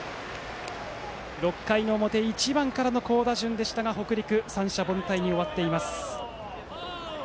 ６回の表１番からの好打順でしたが北陸は三者凡退に終わっています。